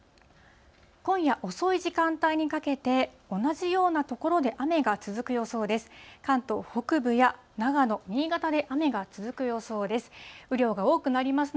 今夜遅い時間帯にかけて、同じような所で雨が続く予想です。